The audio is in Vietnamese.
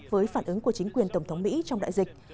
với phản ứng của chính quyền tổng thống mỹ trong đại dịch